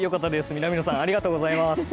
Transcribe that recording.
南野さん、ありがとうございます。